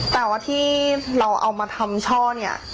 แต่ว่าที่เราเอามาทำช่อเนี่ย